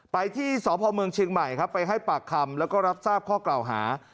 ไปที่สพเมืองเชียงใหม่ครับไปให้ปากคำแล้วก็รับทราบข้อกล่าวหา